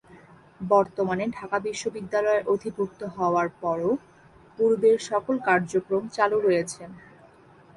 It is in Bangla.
বর্তমানে ঢাকা বিশ্ববিদ্যালয়ের অধিভুক্ত হওয়ার পরও পূর্বের সকল কার্যক্রম চালু রয়েছে।